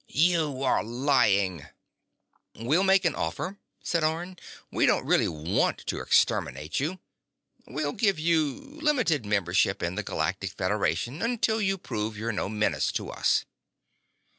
"You are lying!" "We'll make you an offer," said Orne. "We don't really want to exterminate you. We'll give you limited membership in the Galactic Federation until you prove you're no menace to us."